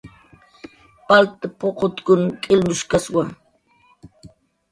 Palt puqutkun k'ilnushkaswa